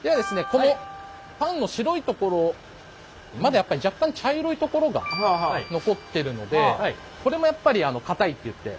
このパンの白いところまだやっぱり若干茶色いところが残ってるのでこれもやっぱり硬いっていって。